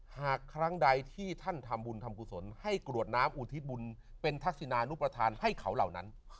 หากครั้งใดที่ท่านทำบุญทำกุศลให้กรวดน้ำอุทิศบุญเป็นทักษินานุประธานให้เขาเหล่านั้น